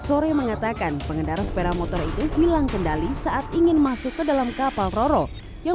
sore mengatakan pengendara sepeda motor itu hilang kendali saat ingin masuk ke dalam kapal roro yang